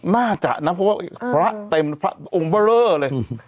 น่าจะนะเพราะว่าพระเต็มพระองค์เบอร์เลอร์เลย